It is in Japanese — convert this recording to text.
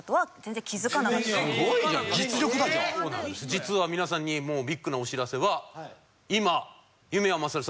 実は皆さんにもうビッグなお知らせは今。